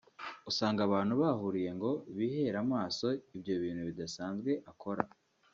usanga abantu bahuruye ngo bihere amaso ibyo bintu bidasanzwe akora